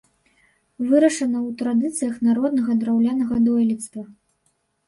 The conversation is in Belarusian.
Вырашана ў традыцыях народнага драўлянага дойлідства.